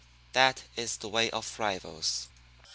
That is the way of rivals.